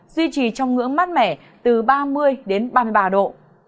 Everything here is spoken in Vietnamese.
duy trì trong ngưỡng mát mẻ từ ba mươi đến ba mươi ba độ